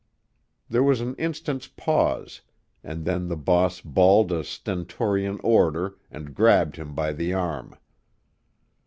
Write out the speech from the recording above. There was an instant's pause, and then the boss bawled a stentorian order and grabbed him by the arm.